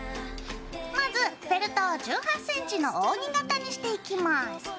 まずフェルトを１８ｃｍの扇形にしていきます。